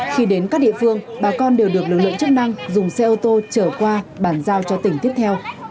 khi đến các địa phương bà con đều được lực lượng chức năng dùng xe ô tô trở qua bàn giao cho tỉnh tiếp theo